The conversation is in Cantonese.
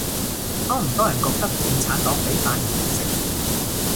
多唔多人覺得共產黨畀飯人民食